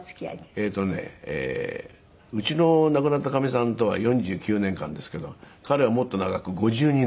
えっとねうちの亡くなったかみさんとは４９年間ですけど彼はもっと長く５２年間。